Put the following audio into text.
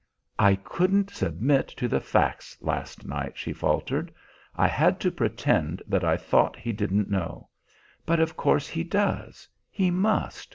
"I couldn't submit to the facts last night," she faltered. "I had to pretend that I thought he didn't know; but of course he does he must.